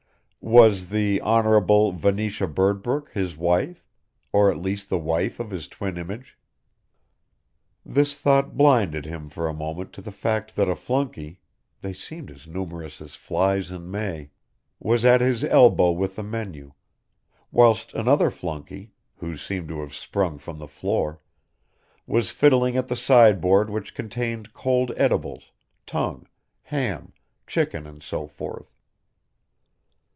Was the Honble: Venetia Birdbrook his wife, or at least the wife of his twin image? This thought blinded him for a moment to the fact that a flunkey they seemed as numerous as flies in May was at his elbow with a menu, whilst another flunkey, who seemed to have sprung from the floor, was fiddling at the sideboard which contained cold edibles, tongue, ham, chicken and so forth.